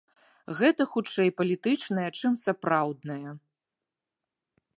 Гэта хутчэй палітычнае, чым сапраўднае.